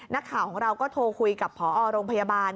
นักข่าวของเราก็โทรคุยกับพอโรงพยาบาล